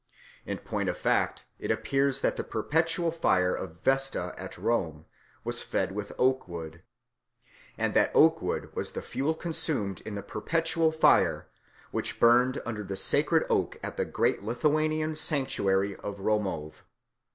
In point of fact, it appears that the perpetual fire of Vesta at Rome was fed with oak wood, and that oak wood was the fuel consumed in the perpetual fire which burned under the sacred oak at the great Lithuanian sanctuary of Romove.